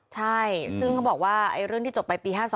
ใช่ซึ่งเขาบอกว่าเรื่องที่จบไปปี๕๒